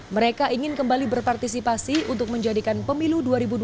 mereka ingin kembali berpartisipasi untuk menjadikan pemilu dua ribu dua puluh